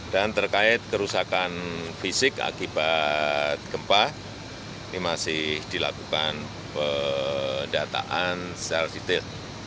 dan terkait kerusakan fisik akibat gempa ini masih dilakukan pendataan secara detail